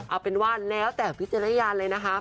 เอาเป็นว่าแล้วแต่วิจารณญาณเลยนะคะ